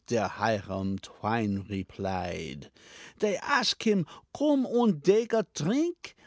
Der Hiram Twine replied. Dey ashk him, "Come und dake a trink?"